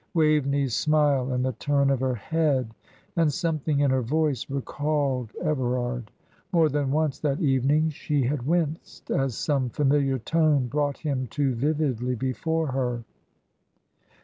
Waveney's smile, and the turn of her head, and something in her voice, recalled Everard. More than once that evening she had winced, as some familiar tone brought him too vividly before her.